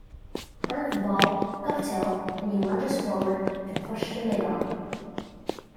Herath ball Guptill and he lunges forward to push to mid-on.